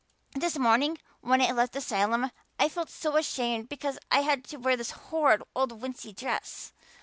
This morning when I left the asylum I felt so ashamed because I had to wear this horrid old wincey dress.